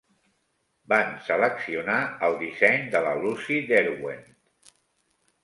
Van seleccionar el disseny de la Lucy Derwent.